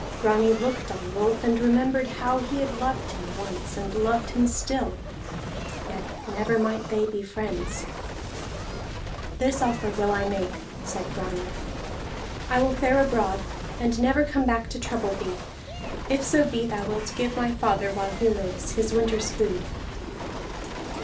Grani looked on Rolf, and remembered how he had loved him once, and loved him still, yet never might they be friends. "This offer will I make," said Grani. "I will fare abroad, and never come back to trouble thee, if so be thou wilt give my father, while he lives, his winter's food."